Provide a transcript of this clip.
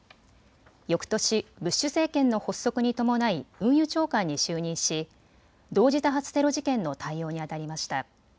よくとしブッシュ政権の発足に伴い運輸長官に就任し同時多発テロ事件の対応にあたりました。